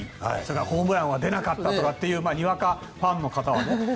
ホームランは出なかったってにわかファンの方からはね。